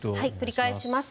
繰り返します。